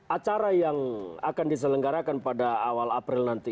acara yang akan diselenggarakan pada awal april nanti